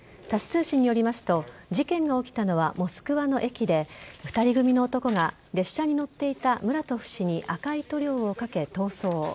タス通信によりますと事件が起きたのはモスクワの駅で２人組の男が列車に乗っていたムラトフ氏に赤い塗料をかけ逃走。